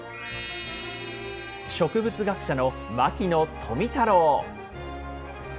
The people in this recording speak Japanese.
植物学者の牧野富太郎。